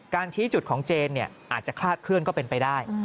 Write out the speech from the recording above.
ชี้จุดของเจนอาจจะคลาดเคลื่อนก็เป็นไปได้